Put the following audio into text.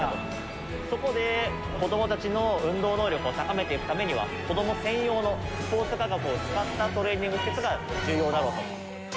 そこで子どもたちの運動能力を高めていくためには子ども専用のスポーツ科学を使ったトレーニング施設が重要だろうと。